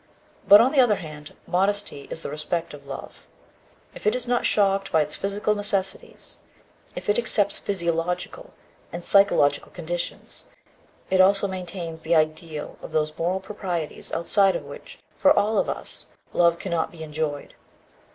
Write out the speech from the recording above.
But on the other hand, modesty is the respect of love; if it is not shocked by its physical necessities, if it accepts physiological and psychological conditions, it also maintains the ideal of those moral proprieties outside of which, for all of us, love cannot be enjoyed.